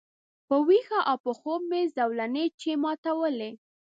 په ویښه او په خوب مي زولنې چي ماتولې